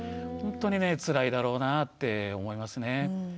ほんとにねつらいだろうなって思いますね。